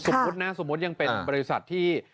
นะสมมุติยังเป็นบริษัทที่